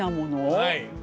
はい。